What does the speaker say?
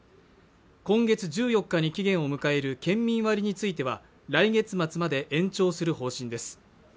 今月１４日に期限を迎える県民割については来月末まで延長する方針です